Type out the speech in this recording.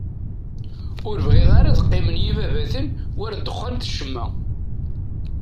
Ur bɣiɣ ara ad qqimen yibabaten war ddexxan d ccemma.